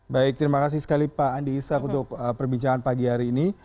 baik terima kasih sekali pak andi ishak untuk perbincangan pagi hari ini